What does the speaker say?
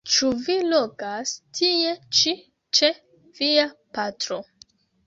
Ĉu vi logas tie ĉi ĉe via patro?